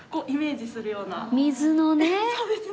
水のね。